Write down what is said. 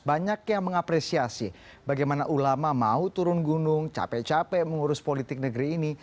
banyak yang mengapresiasi bagaimana ulama mau turun gunung capek capek mengurus politik negeri ini